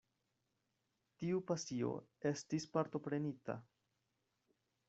Tiu pasio estis partoprenita.